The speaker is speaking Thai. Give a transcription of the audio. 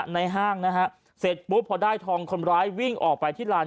ห้างนะฮะเสร็จปุ๊บพอได้ทองคนร้ายวิ่งออกไปที่ลาน